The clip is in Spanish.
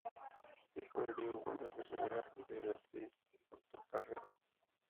Hijo de Diego Gómez de Ribera y de Beatriz de Portocarrero.